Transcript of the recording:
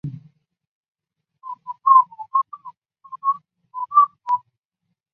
派厄尼尔镇区为位在美国堪萨斯州葛兰姆县的镇区。